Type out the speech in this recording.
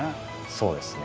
そうですね。